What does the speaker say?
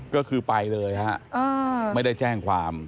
ก็คือไปเลยฮะไม่ได้แจ้งความ